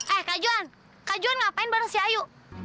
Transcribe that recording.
eh kak juan kak juan ngapain bareng si ayu